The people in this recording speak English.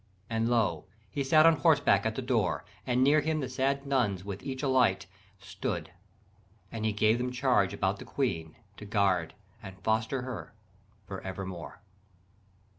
And lo, he sat on horseback at the door! And near him the sad nuns with each a light, Stood, and he gave them charge about the Queen, To guard and foster her for evermore."